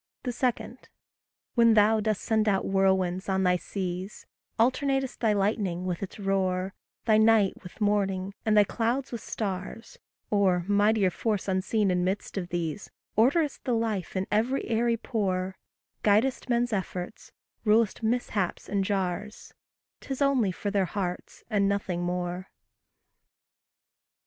2. When thou dost send out whirlwinds on thy seas, Alternatest thy lightning with its roar, Thy night with morning, and thy clouds with stars Or, mightier force unseen in midst of these, Orderest the life in every airy pore; Guidest men's efforts, rul'st mishaps and jars, 'Tis only for their hearts, and nothing more.